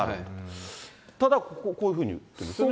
ただここ、こういうふうに言ってるんですよね。